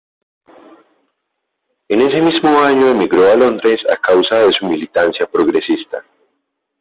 En ese mismo año emigró a Londres a causa de su militancia progresista.